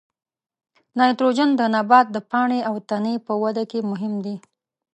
نایتروجن د نبات د پاڼې او تنې په وده کې مهم دی.